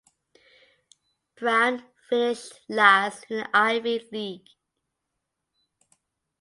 Brown finished last in the Ivy League.